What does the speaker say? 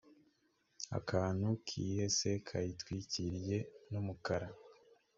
akantu kihese kayitwikiriye numukara